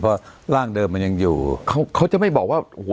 เพราะร่างเดิมมันยังอยู่เขาเขาจะไม่บอกว่าโอ้โห